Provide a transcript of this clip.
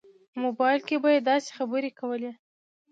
په موبایل کې به یې داسې خبرې کولې.